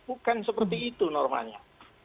bukan seperti itu normanya